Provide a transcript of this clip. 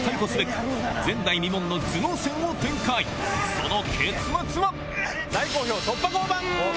その結末は⁉